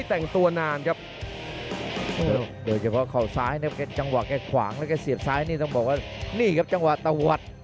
ทางหวานแค่ขวางและแค่เสียบซ้ายกำหนดเราบอกนี่ครับจังหวาตะวัด